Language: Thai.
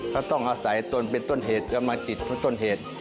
เราต้องอาศัยตนเป็นต้นเหตุกำลังจิตเป็นต้นเหตุ